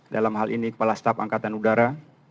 dalam hal ini kepala staf angkatan udara